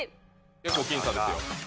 結構僅差ですよ。